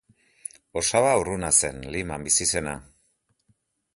Osaba urruna zen, Liman bizi zena.